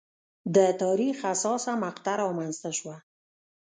د تاریخ حساسه مقطعه رامنځته شوه.